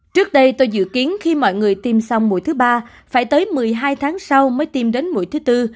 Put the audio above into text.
trước đây tôi dự kiến khi mọi người tiêm xong mũi thứ ba phải tới một mươi hai tháng sau mới tiêm đến mũi thứ tư